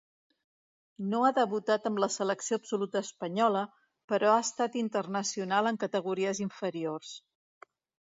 No ha debutat amb la selecció absoluta espanyola, però ha estat internacional en categories inferiors.